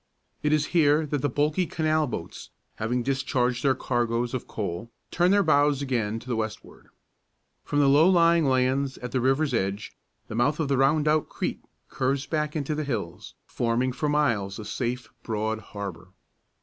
It is here that the bulky canal boats, having discharged their cargoes of coal, turn their bows again to the westward. From the low lying lands at the river's edge the mouth of Rondout Creek curves back into the hills, forming for miles a safe, broad harbor.